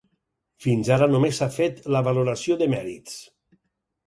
Fins ara només s’ha fet la valoració de mèrits.